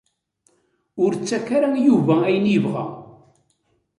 Ur ttak ara i Yuba ayen i yebɣa.